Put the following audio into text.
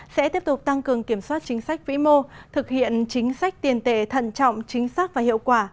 sẽ tiếp tục tăng cường kiểm soát chính sách vĩ mô thực hiện chính sách tiền tệ thận trọng chính xác và hiệu quả